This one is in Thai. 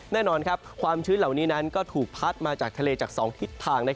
แน่นอนความชื้นเหล่านี้นั้นก็ถูกพัดมาจากทะเลจาก๒ทิศทาง